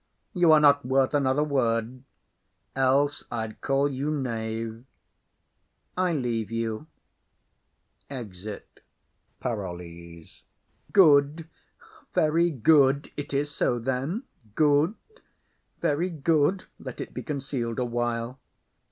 You are not worth another word, else I'd call you knave. I leave you. [Exit.] Enter Bertram. PAROLLES. Good, very good, it is so then. Good, very good; let it be conceal'd awhile.